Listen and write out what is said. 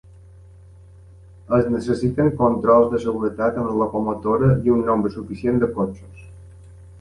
Es necessiten controls de seguretat en la locomotora i un nombre suficient de cotxes.